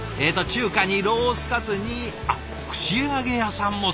中華にロースカツにあっ串揚げ屋さんも。